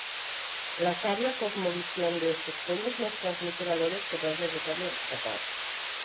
La sabia cosmovisión de estos pueblos nos transmite valores que es necesario rescatar.